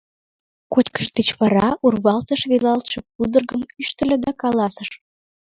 Кочкыш деч вара, урвалтыш велалтше пудыргым ӱштыльӧ да каласыш: